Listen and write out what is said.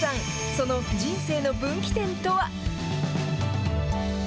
その人生の分岐点とは。